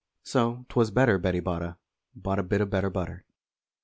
So 'twas better Betty Botta Bought a bit o' better butter.